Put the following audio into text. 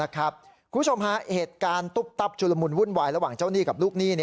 คุณผู้ชมฮะเหตุการณ์ตุ๊บตับชุลมุนวุ่นวายระหว่างเจ้าหนี้กับลูกหนี้